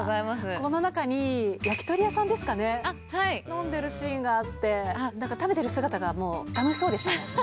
この中に焼き鳥屋さんですかね、飲んでるシーンがあって、なんか食べてる姿がもう楽しそうでしたね。